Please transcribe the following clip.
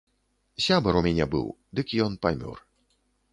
Сябар у мяне быў, дык ён памёр.